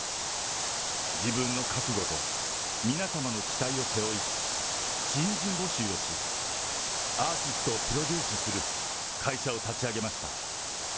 自分の覚悟と皆様の期待を背負い、新人募集をし、アーティストをプロデュースする会社を立ち上げました。